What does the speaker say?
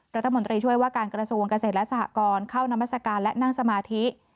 รัฐมนตรีช่วยว่าการกระทรวงเกษตรและสหกรณ์เข้านามัศกาลและนั่งสมาธิ